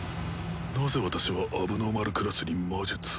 なぜ私は問題児クラスに魔術を？